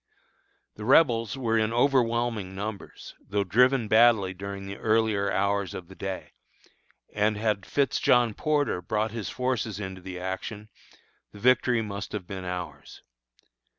The Rebels were in overwhelming numbers, though driven badly during the earlier hours of the day; and had Fitz John Porter brought his forces into the action, the victory must have been ours.